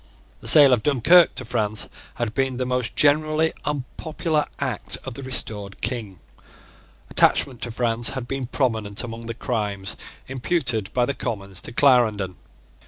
The sale of Dunkirk to France had been the most generally unpopular act of the restored King. Attachment to France had been prominent among the crimes imputed by the Commons to CIarendon.